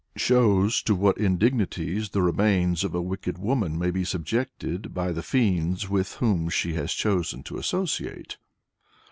3) shows to what indignities the remains of a wicked woman may be subjected by the fiends with whom she has chosen to associate.